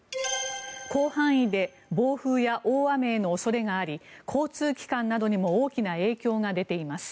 広範囲で暴風や大雨への恐れがあり交通機関などにも大きな影響が出ています。